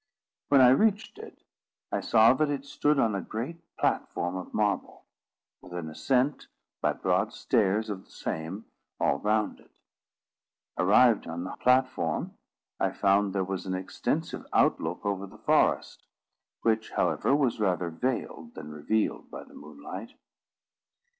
When I reached it, I saw that it stood on a great platform of marble, with an ascent, by broad stairs of the same, all round it. Arrived on the platform, I found there was an extensive outlook over the forest, which, however, was rather veiled than revealed by the moonlight.